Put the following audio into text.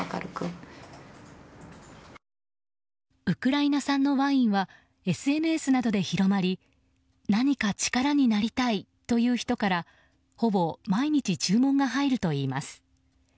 ウクライナ産のワインはＳＮＳなどで広まり何か力になりたいという人からほぼ毎日注文が入るといいます。